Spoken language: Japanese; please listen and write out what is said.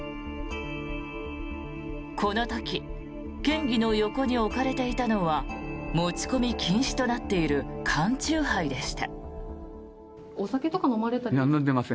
この時県議の横に置かれていたのは持ち込み禁止となっている缶酎ハイでした。